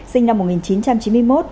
sinh năm một nghìn chín trăm chín mươi một